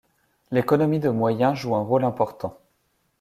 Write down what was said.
L’économie de moyen joue un rôle important.